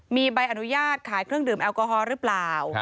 มีใบอนุญาตขายเครื่องดื่มแอลกอฮอลหรือเปล่า